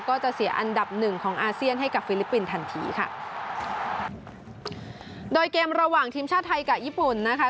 ก็จะเสียอันดับหนึ่งของอาเซียนให้กับฟิลิปปินส์ทันทีค่ะโดยเกมระหว่างทีมชาติไทยกับญี่ปุ่นนะคะ